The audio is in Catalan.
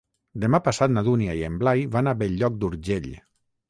Demà passat na Dúnia i en Blai van a Bell-lloc d'Urgell.